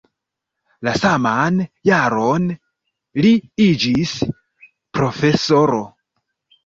La saman jaron li iĝis profesoro.